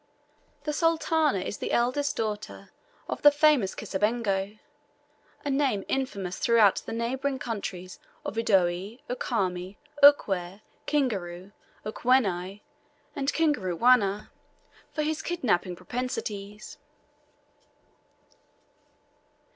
The Sultana is the eldest daughter of the famous Kisabengo, a name infamous throughout the neighbouring countries of Udoe, Ukami, Ukwere, Kingaru, Ukwenni, and Kiranga Wanna, for his kidnapping propensities.